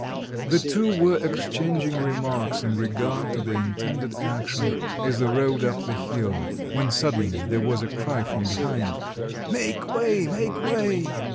] The two were exchanging remarks in regard to the intended action, as they rode up the hill, when suddenly there was a cry from behind, "Make way, make way!